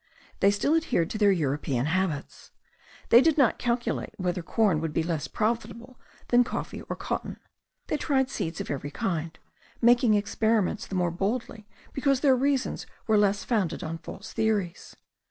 They still adhered to their European habits. They did not calculate whether corn would be less profitable than coffee or cotton. They tried seeds of every kind, making experiments the more boldly because their reasonings were less founded on false theories.